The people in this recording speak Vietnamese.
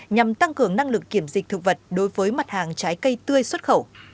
nhằm tăng cường năng lực kiểm dịch thực vật đối với mặt hàng trái cây tươi xuất khẩu